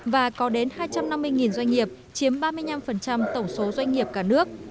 và có đến hai trăm năm mươi doanh nghiệp chiếm ba mươi năm tổng số doanh nghiệp cả nước